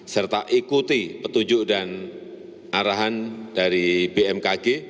serta ikuti petunjuk dan arahan dari bmkg